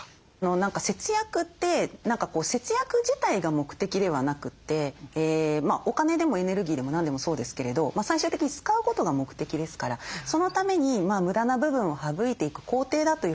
何か節約って節約自体が目的ではなくてお金でもエネルギーでも何でもそうですけれど最終的に使うことが目的ですからそのために無駄な部分を省いていく工程だというふうに考えて頂きたいんですね。